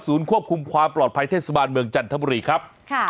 ควบคุมความปลอดภัยเทศบาลเมืองจันทบุรีครับ